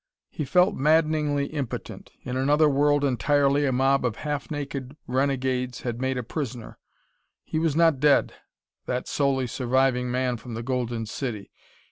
He felt maddeningly impotent. In another world entirely, a mob of half naked renegades had made a prisoner. He was not dead, that solely surviving man from the Golden City.